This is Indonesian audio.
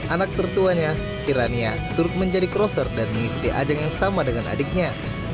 anak tertuanya kirania turut menjadi crosser dan mengikuti ajang yang sama dengan adiknya